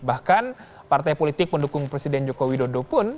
bahkan partai politik pendukung presiden joko widodo pun